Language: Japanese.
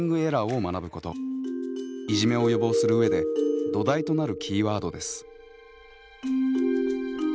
いじめを予防する上で土台となるキーワードです。